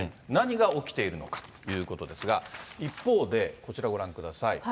何が起きているのかということですが、一方で、こちらご覧ください。